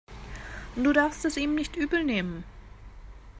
Du darfst es ihm nicht übel nehmen.